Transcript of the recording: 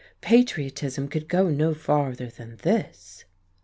Patriotism could go no farther than this....